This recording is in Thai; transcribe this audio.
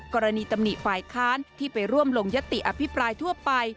กรณีตำหนิฝ่ายค้านที่ไปร่วมลงยติอภิปรายทั่วไป